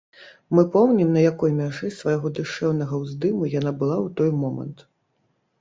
Мы помнім, на якой мяжы свайго душэўнага ўздыму яна была ў той момант.